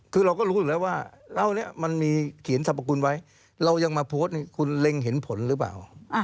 คือเราก็รู้อยู่แล้วว่าเล่านี้มันมีเขียนสรรพคุณไว้เรายังมาโพสต์คุณเล็งเห็นผลหรือเปล่า